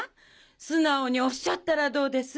素直におっしゃったらどうです？